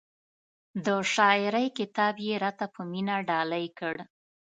د شاعرۍ کتاب یې را ته په مینه ډالۍ کړ.